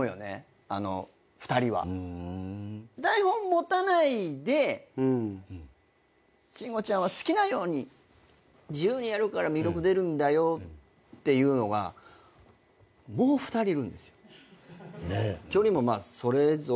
台本持たないで慎吾ちゃんは好きなように自由にやるから魅力出るんだよっていうのがもう２人いるんですよ。